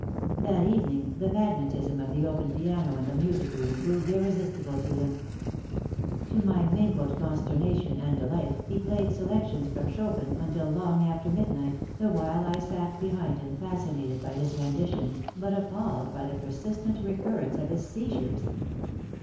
That evening the magnetism of the open piano in the music room proved irresistible to him. To my mingled consternation and delight he played selections from Chopin until long after midnight, the while I sat behind him fascinated by his renditions but appalled by the persistent recurrence of his "seizures."